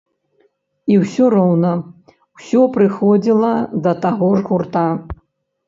І ўсё роўна, ўсе прыходзіла да таго ж гурта.